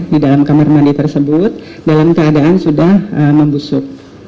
di dalam kamar mandi tersebut dalam keadaan sudah membusuk